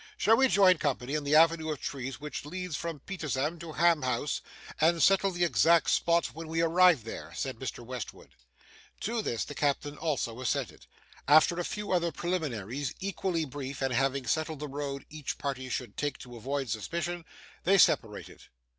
'Shall we join company in the avenue of trees which leads from Petersham to Ham House, and settle the exact spot when we arrive there?' said Mr Westwood. To this the captain also assented. After a few other preliminaries, equally brief, and having settled the road each party should take to avoid suspicion, they separated.